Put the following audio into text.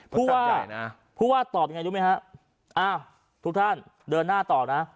ผู้ว่าตอบยังไงรู้ไหมฮะอ้าวทุกท่านเดินหน้าต่อนะ